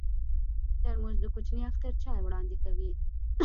ترموز د کوچني اختر چای وړاندې کوي.